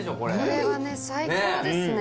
これは最高ですね。